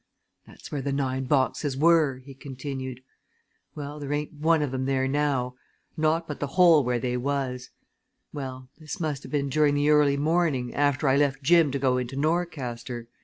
"That's where the nine boxes were," he continued. "Well, there ain't one of 'em there now! Naught but the hole where they was! Well this must ha' been during the early morning after I left Jim to go into Norcaster.